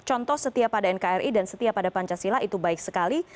contoh setia pada nkri dan setia pada pancasila itu baik sekali